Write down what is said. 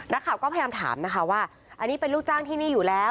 นักข่าวก็พยายามถามนะคะว่าอันนี้เป็นลูกจ้างที่นี่อยู่แล้ว